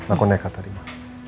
aku nekat tadi ma